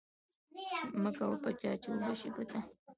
مکوه په چا، چي و به سي په تا